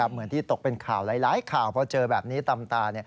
เหมือนที่ตกเป็นข่าวหลายข่าวพอเจอแบบนี้ตำตา